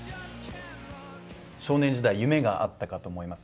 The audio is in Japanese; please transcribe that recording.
少年時代夢があったかと思います